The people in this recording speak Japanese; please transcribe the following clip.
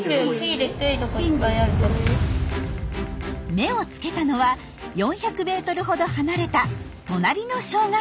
目を付けたのは４００メートルほど離れた隣の小学校。